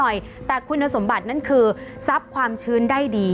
ผ้าขนแก่อาจจะมีราคาสูงหน่อยแต่คุณสมบัตินั้นคือซับความชื้นได้ดี